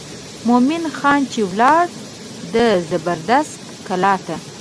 مومن خان چې ولاړ د زبردست کلا ته.